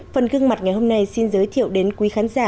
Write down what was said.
phần gương mặt ngày hôm nay xin giới thiệu đến quý khán giả